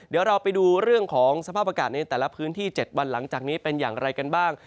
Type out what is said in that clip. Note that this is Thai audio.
เดี๋ยวเราไปดูเรื่องของสภาพอากาศในแต่ละพื้นที่๗วันหลังจากนี้เป็นอย่างไรกันบ้าง